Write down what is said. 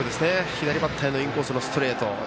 左バッターへのインコースのストレート。